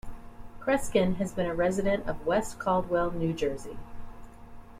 Kreskin has been a resident of West Caldwell, New Jersey.